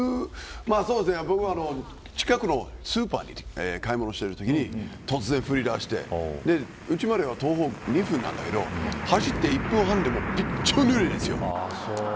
僕は近くのスーパーで買い物してるときに突然降りだして家までは徒歩２分なんだけど走って１分半でびしょぬれですよ。